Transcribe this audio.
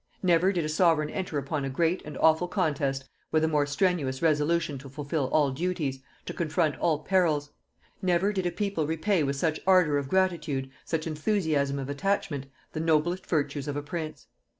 Never did a sovereign enter upon a great and awful contest with a more strenuous resolution to fulfil all duties, to confront all perils; never did a people repay with such ardor of gratitude, such enthusiasm of attachment, the noblest virtues of a prince.